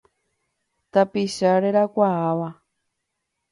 Tapicha herakuãva.